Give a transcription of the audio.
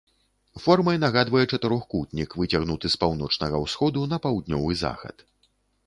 Формай нагадвае чатырохкутнік, выцягнуты з паўночнага ўсходу на паўднёвы захад.